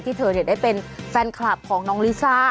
เธอได้เป็นแฟนคลับของน้องลิซ่า